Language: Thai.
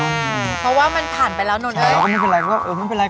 เพราะว่ามันผ่านไปแล้วโนนนใช่แล้วก็ไม่เป็นไร